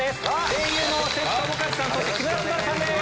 声優の関智一さんそして木村昴さんです。